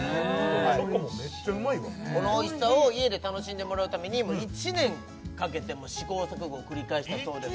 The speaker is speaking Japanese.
チョコもメッチャうまいわこのおいしさを家で楽しんでもらうために１年かけて試行錯誤を繰り返したそうです